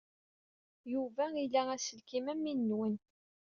Yuba ila aselkim am win-nwen.